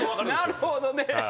なるほどね。